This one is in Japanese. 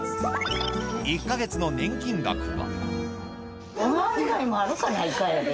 １か月の年金額は。